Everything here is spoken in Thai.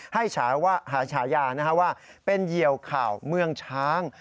ให้หาฉายาว่าเป็นเหยียวข่าวเมืองช้าง